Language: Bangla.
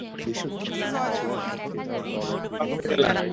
এরপর থেকে আমি প্রায় প্রতি মাসেই দু-একটি করে প্রোগ্রাম পেতে লাগলাম।